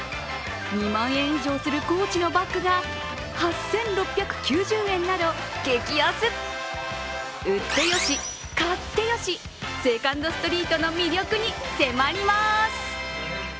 ２万円以上するＣＯＡＣＨのバッグが８６９０円など売ってよし、買ってよしセカンドストリートの魅力に迫ります。